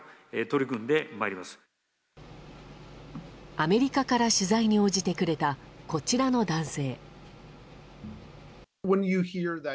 アメリカから取材に応じてくれた、こちらの男性。